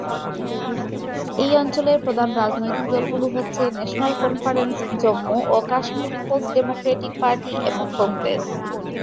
এই অঞ্চলের প্রধান রাজনৈতিক দলগুলো হচ্ছে ন্যাশনাল কনফারেন্স, জম্মু ও কাশ্মীর পিপলস ডেমোক্রেটিক পার্টি এবং কংগ্রেস।